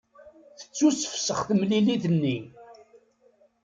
Tettusefsex temlilit-nni.